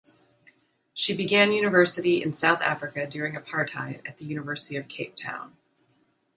She began university in South Africa during apartheid at the University of Cape Town.